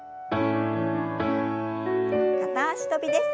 片脚跳びです。